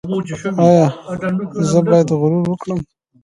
ایا زه باید غرور وکړم؟